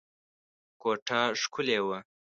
کوټه ښکلې وه.